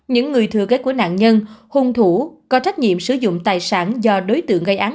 những người thừa kế của nạn nhân hung thủ có trách nhiệm sử dụng tài sản do đối tượng gây án